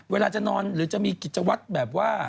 เวลาจะนอนหรือจะมีกิจวัตรแบบว่า